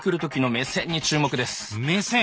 目線？